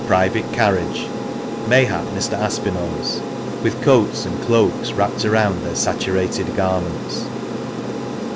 445 private carriage (mayhap Mr. Aspinall's), with coats and cloaks wrapped around their saturated garments.